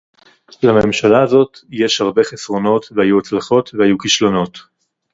לממשלה הזאת יש הרבה חסרונות - והיו הצלחות והיו כישלונות